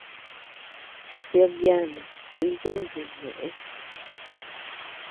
Ted yàna kuí yuntu ñëʼe.